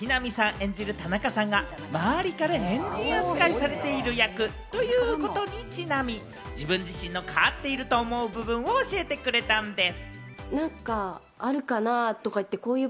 演じる田中さんが、周りから変人扱いされている役ということにちなみ、自分自身の変わっていると思う部分を教えてくれたんでぃす。